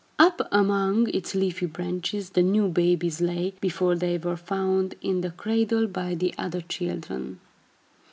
Up among its leafy branches the new babies lay, before they were found in the cradle by the other children.